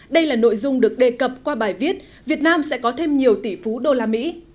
đây là nội dung được đề cập qua bài viết việt nam sẽ có thêm nhiều tỷ phú đô la mỹ